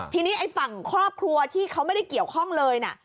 ทีนี้ไอ้ฝั่งครอบครัวที่เขาไม่ได้เกี่ยวข้องเลยนะ